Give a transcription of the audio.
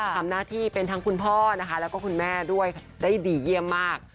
ทำน่าที่เป็นทั้งคุณพ่อคุณแม่ก็ได้ดีเยี่ยมมาก